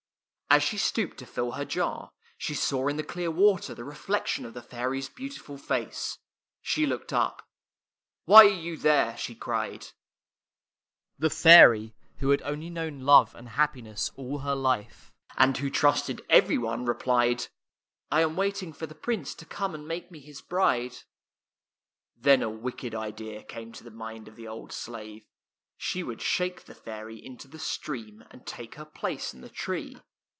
As she stooped to fill her jar, she saw in the clear water the reflection of the fairy's beautiful face. She looked up. " Why are you there? " she cried. The fairy, who had known only love and happiness all her life, and who trusted [ 7 ] FAVORITE FAIRY TALES RETOLD everyone replied, " I am waiting for the Prince to come and make me his bride." Then a wicked idea came to the mind of the old slave. She would shake the fairy into the stream and take her place in the tree.